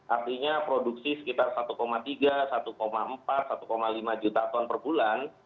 artinya produksi sekitar satu tiga satu empat satu lima juta ton per bulan